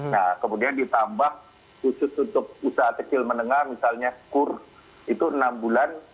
nah kemudian ditambah khusus untuk usaha kecil menengah misalnya kur itu enam bulan